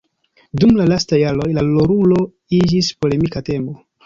Dum la lastaj jaroj, la rolulo iĝis polemika temo.